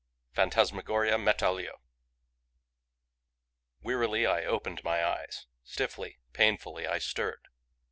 PHANTASMAGORIA METALLIQUE. Wearily I opened my eyes. Stiffly, painfully, I stirred.